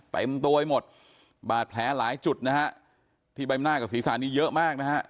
เต็มตัวไปหมดบาดแผลหลายจุดนะฮะที่ใบหน้ากับศีรษะนี้เยอะมากนะฮะ